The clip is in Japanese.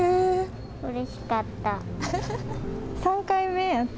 うれしかった。